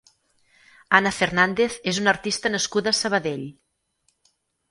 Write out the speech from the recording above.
Ana Fernàndez és una artista nascuda a Sabadell.